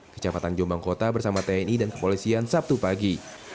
kecamatan jombang kota bersama tni dan kepolisian sabtu pagi